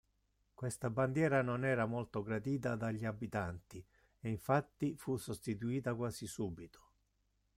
Questa bandiera non era molto gradita dagli abitanti e infatti fu sostituita quasi subito.